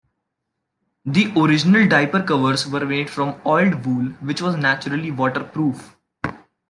The original diaper covers were made from oiled wool, which was naturally waterproof.